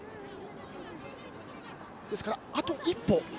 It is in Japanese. ですから、あと一歩。